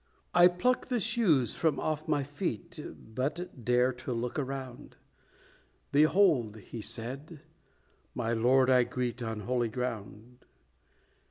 "I pluck the shoes from off my feet, But dare to look around; Behold," he said, "my Lord I greet, On holy ground!"